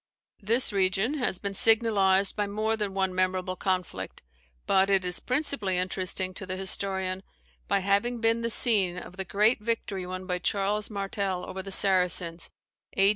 This region has been signalized by more than one memorable conflict; but it is principally interesting to the historian, by having been the scene of the great victory won by Charles Martel over the Saracens, A.